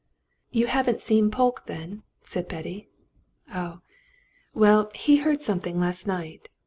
"You haven't seen Polke, then?" said Betty. "Oh, well, he heard something last night."